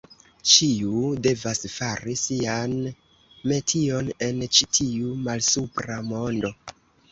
Ĉiu devas fari sian metion en ĉi tiu malsupra mondo.